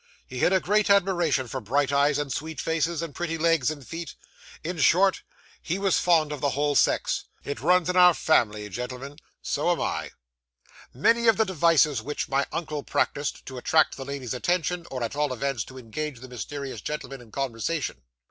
He had a great admiration for bright eyes, and sweet faces, and pretty legs and feet; in short, he was fond of the whole sex. It runs in our family, gentleman so am I. 'Many were the devices which my uncle practised, to attract the lady's attention, or at all events, to engage the mysterious gentlemen in conversation.